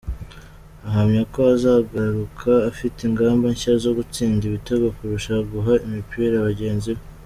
Ahamya ko azagaruka afite ingamba nshya zo gutsinda ibitego kurusha guha imipira bagenzi be.